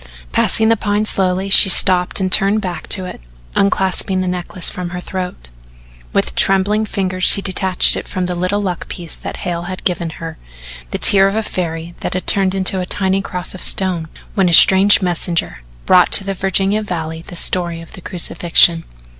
Passing the Pine slowly, she stopped and turned back to it, unclasping the necklace from her throat. With trembling fingers she detached from it the little luck piece that Hale had given her the tear of a fairy that had turned into a tiny cross of stone when a strange messenger brought to the Virginia valley the story of the crucifixion.